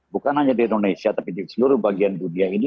bukan hanya di indonesia tapi di seluruh bagian dunia ini